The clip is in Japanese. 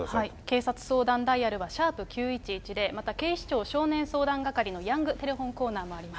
警察相談ダイヤルは＃９１１０、また、警視庁少年相談係のヤング・テレホン・コーナーもあります。